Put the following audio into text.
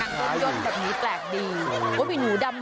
ขายนะ